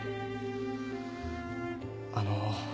あの。